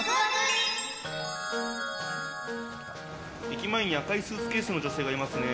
駅前に赤いスーツケースの女性がいますね。